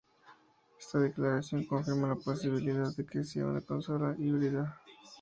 Esta declaración confirma la posibilidad de que sea una consola híbrida.